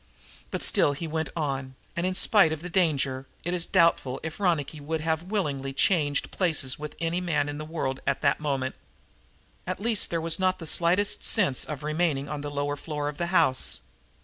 But still he went on, and, in spite of the danger, it is doubtful if Ronicky would have willingly changed places with any man in the world at that moment. At least there was not the slightest sense in remaining on the lower floor of the house.